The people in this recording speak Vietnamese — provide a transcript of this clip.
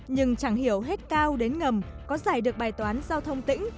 nhưng chẳng hiểu hết cao đến ngầm có giải được bài toán giao thông tĩnh